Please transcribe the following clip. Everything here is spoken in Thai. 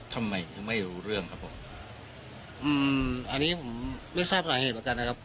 ทำไมไม่รู้เรื่องครับผมอืมอันนี้ผมไม่ทราบสาเหตุเหมือนกันนะครับ